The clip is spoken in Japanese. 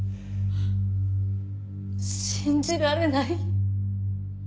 信じられない。